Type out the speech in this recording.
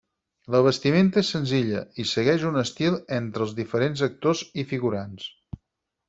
La vestimenta és senzilla, i segueix un estil entre els diferents actors i figurants.